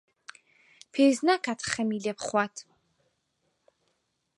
پێویست ناکات خەمی لێ بخوات.